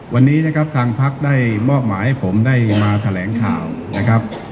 วันนี้นะครับทางพักได้มอบหมายให้ผมได้มาแถลงข่าวนะครับ